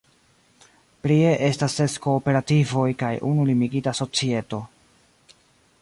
Prie estas ses kooperativoj kaj unu limigita societo.